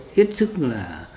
thiết sức là